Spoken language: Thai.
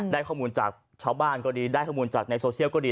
ได้ข้อมูลจากชาวบ้านก็ดีได้ข้อมูลจากในโซเชียลก็ดี